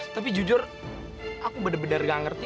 tapi jujur aku benar benar gak ngerti